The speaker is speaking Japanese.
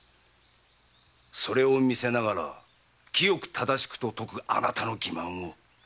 それを見せながら清く正しくと説くあなたの欺瞞を！